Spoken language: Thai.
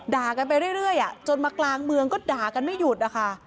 ด่ากันไปเรื่อยจนมากลางเมืองก็ด่ากันไม่หยุดนะคะ